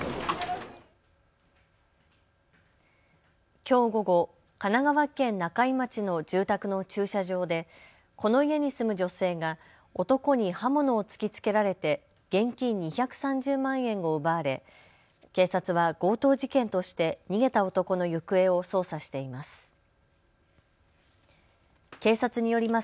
きょう午後、神奈川県中井町の住宅の駐車場でこの家に住む女性が男に刃物を突きつけられて現金２３０万円を奪われ警察は強盗事件として逃げた男の行方を捜査しています。